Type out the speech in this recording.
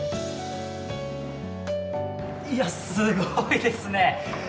いや、すごいですね。